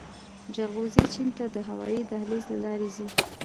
جلغوزي چین ته د هوايي دهلیز له لارې ځي